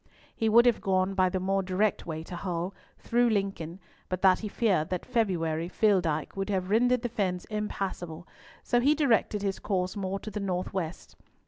He would have gone by the more direct way to Hull, through Lincoln, but that he feared that February Filldyke would have rendered the fens impassable, so he directed his course more to the north west.